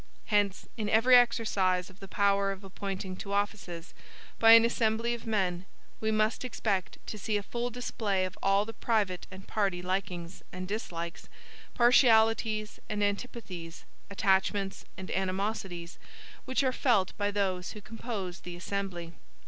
Hence, in every exercise of the power of appointing to offices, by an assembly of men, we must expect to see a full display of all the private and party likings and dislikes, partialities and antipathies, attachments and animosities, which are felt by those who compose the assembly.